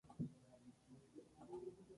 Es una especie poco vista en estado silvestre.